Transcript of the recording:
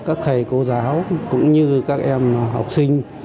các thầy cô giáo cũng như các em học sinh